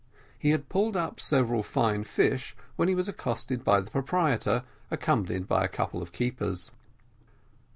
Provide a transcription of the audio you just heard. He had pulled up several fine fish, when he was accosted by the proprietor, accompanied by a couple of keepers.